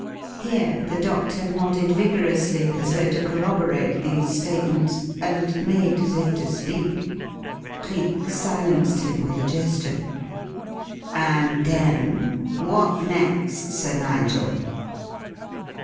Here the doctor nodded vigorously as though to corroborate these statements, and made as if to speak. Cleek silenced him with a gesture. "And then what next, Sir Nigel?"